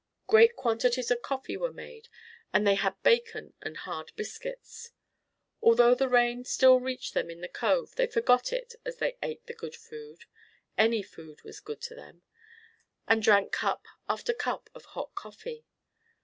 Great quantities of coffee were made, and they had bacon and hard biscuits. Although the rain still reached them in the cove they forgot it as they ate the good food any food was good to them and drank cup after cup of hot coffee.